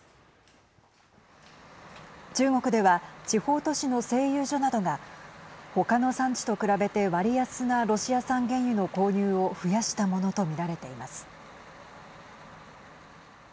中国では地方都市の製油所などが他の産地と比べて割安なロシア産原油の購入を増やしたものと見られています。